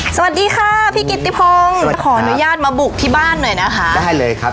สวัสดีค่ะพี่กิตติพงศ์ขออนุญาตมาบุกที่บ้านหน่อยนะคะได้เลยครับ